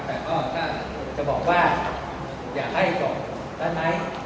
แต่ถ้าอยากให้กล่องได้ไหม